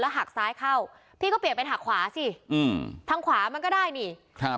หักซ้ายเข้าพี่ก็เปลี่ยนไปหักขวาสิอืมทางขวามันก็ได้นี่ครับ